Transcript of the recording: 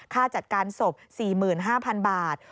ค่าจัดการศพ๔๕๐๐๐บาท